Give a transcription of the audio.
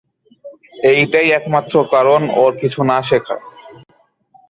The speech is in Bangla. এইটাই একমাত্র কারণ ওর কিছু না শেখার।